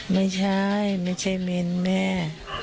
ไม่ใช่ไม่ใช่เม้นแม่